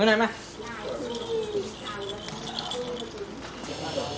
กลับมาที่นี่